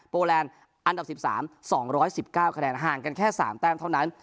แลนด์อันดับ๑๓๒๑๙คะแนนห่างกันแค่๓แต้มเท่านั้น